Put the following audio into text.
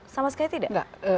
sama sekali tidak